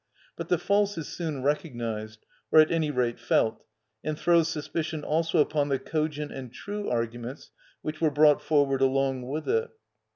But the false is soon recognised, or at any rate felt, and throws suspicion also upon the cogent and true arguments which were brought forward along with it.